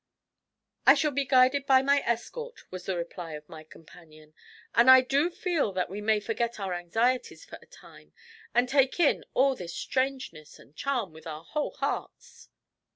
'I shall be guided by my escort,' was the reply of my companion, 'and I do feel that we may forget our anxieties for a time, and take in all this strangeness and charm with our whole hearts.'